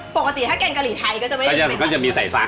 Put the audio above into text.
ปกติถ้าแกงกะหรี่ไทยก็จะไม่มีเป็นแบบนั้นมันจะมีใส่ซัก